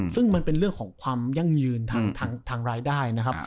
ซึ่งมันเป็นเรื่องของความยั่งยืนทางรายได้นะครับ